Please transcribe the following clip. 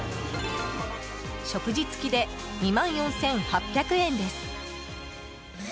食事付きで２万４８００円です。